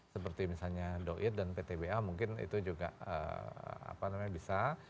seperti misalnya doit dan ptba mungkin itu juga bisa